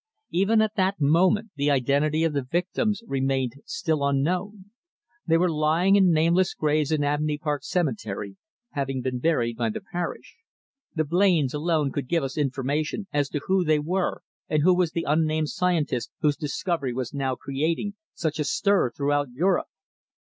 Even at that moment the identity of the victims remained still unknown. They were lying in nameless graves in Abney Park Cemetery, having been buried by the parish. The Blains alone could give us information as to who they were and who was the unnamed scientist whose discovery was now creating such a stir throughout Europe.